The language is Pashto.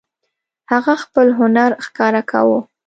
هغه خپل هنر ښکاره کاوه.